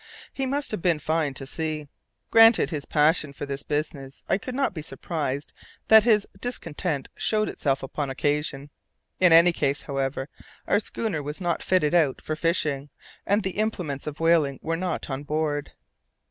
He must have been fine to see. Granted his passion for this business, I could not be surprised that his discontent showed itself upon occasion. In any case, however, our schooner was not fitted out for fishing, and the implements of whaling were not on board.